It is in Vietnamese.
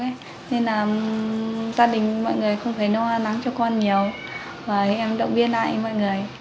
nên là gia đình mọi người không phải lo nắng cho con nhiều và em động viên lại mọi người